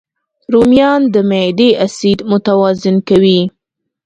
رومیان د معدې اسید متوازن کوي